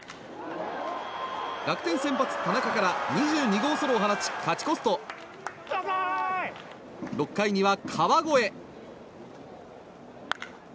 楽天先発田中から２２号ソロを放ち勝ち越すと、６回には川越。